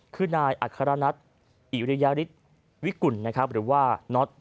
คือนายอัครนัทอิริยาริสวิกุลหรือว่าน็อต